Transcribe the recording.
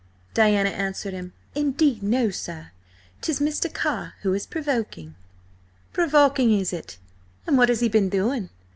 Diana answered him. "Indeed no, sir. 'Tis Mr. Carr who is so provoking." "Provoking, is it? And what has he been doing?"